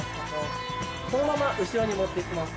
そのまま後ろに持っていきます。